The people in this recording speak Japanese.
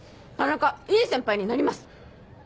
中いい先輩になります！